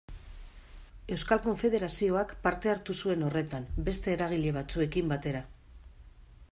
Euskal Konfederazioak parte hartu zuen horretan beste eragile batzuekin batera.